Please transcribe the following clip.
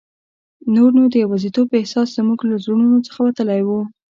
نور نو د یوازیتوب احساس زموږ له زړونو څخه وتلی وو.